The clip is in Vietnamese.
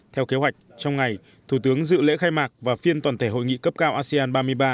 theo kế hoạch trong ngày thủ tướng dự lễ khai mạc và phiên toàn thể hội nghị cấp cao asean ba mươi ba